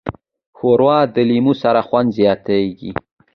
ښوروا د لیمو سره خوند زیاتیږي.